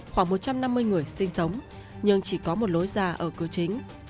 khoảng một trăm năm mươi người sinh sống nhưng chỉ có một lối ra ở cửa chính